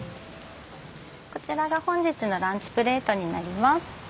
こちらが本日のランチプレートになります。